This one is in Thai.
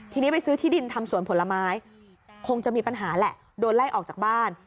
ทีนี้ไปซื้อที่ดินทำสวนผลไม้คงจะมีปัญหาแหละโดนไล่ออกจากบ้าน